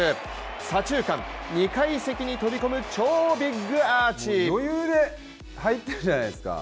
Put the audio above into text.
左中間、２階席に飛び込む超ビッグアーチ。